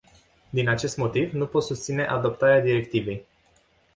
Din acest motiv, nu pot susține adoptarea directivei.